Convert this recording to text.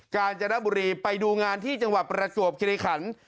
การจนบุรีไปดูงานที่จังหวัดประจวบคิริขัน